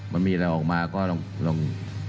มันมีอะไรออกมาก็ลอง